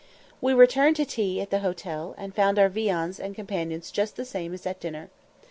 We returned to tea at the hotel, and found our viands and companions just the same as at dinner.